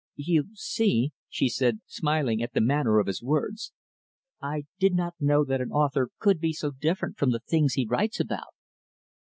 "You see," she said, smiling at the manner of his words, "I did not know that an author could be so different from the things he writes about."